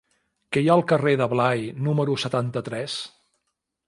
Què hi ha al carrer de Blai número setanta-tres?